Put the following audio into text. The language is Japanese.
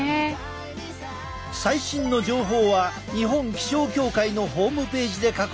最新の情報は日本気象協会のホームページで確認できる！